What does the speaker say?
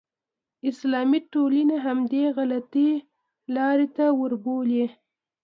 اسلامي ټولنې همدې غلطې لارې ته وربولي.